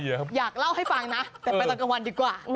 อยากเล่าให้ฟังนะแต่ไปตอนกลางวันดีกว่า